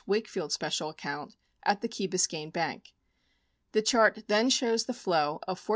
Wakefield special account at the Key Biscayne Bank. The chart then shows the flow of $4,562.